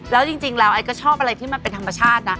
แล้วจริงแล้วไอ้ก็ชอบอะไรที่มันเป็นธรรมชาตินะ